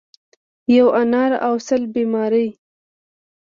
ـ یو انار او سل بیمار.